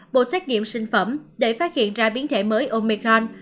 bộ xét nghiệm sinh phẩm để phát hiện ra biến thể mới omicron